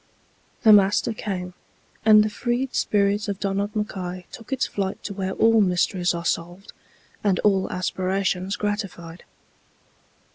The Master came, and the freed spirit of Donald Mackay took its flight to where all mysteries are solved and all aspirations gratified.